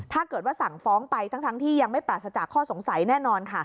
ถ้าเกิดว่าสั่งฟ้องไปทั้งที่ยังไม่ปราศจากข้อสงสัยแน่นอนค่ะ